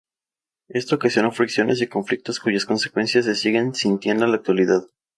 Esto ocasionó fricciones y conflictos cuyas consecuencias se siguen sintiendo en la actualidad.